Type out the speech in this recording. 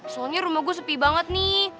soalnya rumah gue sepi banget nih